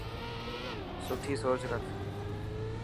سٺي سوچ رک.